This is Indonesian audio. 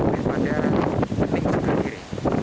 daripada peting sekaligiri